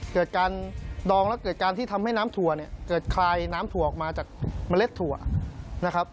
เกิดการดองแล้วเกิดการที่ทำให้น้ำถั่วเนี่ยเกิดคลายน้ำถั่วออกมาจากเมล็ดถั่วนะครับ